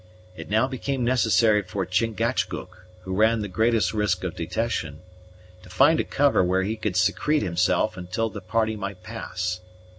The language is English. It now became necessary for Chingachgook, who ran the greatest risk of detection, to find a cover where he could secrete himself until the party might pass.